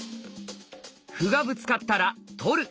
歩がぶつかったら「取る」。